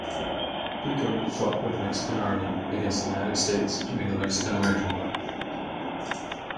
Pico fought with the Mexican army against the United States during the Mexican–American War.